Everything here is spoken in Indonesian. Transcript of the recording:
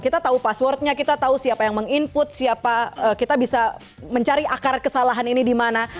kita tahu passwordnya kita tahu siapa yang meng input siapa kita bisa mencari akar kesalahan ini di mana